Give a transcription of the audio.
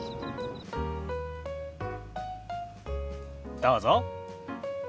どうぞ。